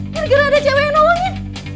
gak ada gak ada cewek yang nolongin